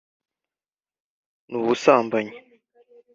ni ubusambanyi